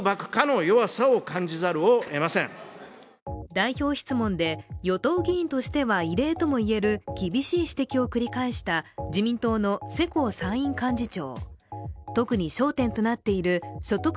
代表質問で、与党議員としては異例ともいえる厳しい指摘を繰り返した自民党の世耕参院幹事長。